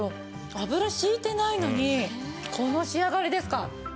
油引いてないのにこの仕上がりですか！